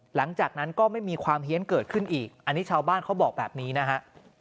หลังจากนั้นก็ไม่มีความเฮียนเกิดขึ้นอีกอันนี้ชาวบ้านเขาบอกแบบนี้นะฮะ